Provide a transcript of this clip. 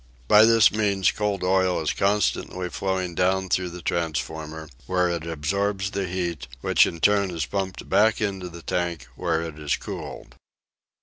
By this means cold oil is constantly flowing down through the transformer, where it absorbs the heat, which in turn is pumped back into the tank, where it is cooled.